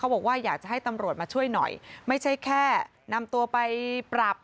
บอกว่าอยากจะให้ตำรวจมาช่วยหน่อยไม่ใช่แค่นำตัวไปปรับ